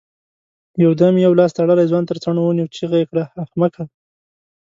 يودم يې يو لاس تړلی ځوان تر څڼو ونيو، چيغه يې کړه! احمقه!